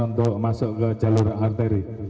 untuk masuk ke jalur arteri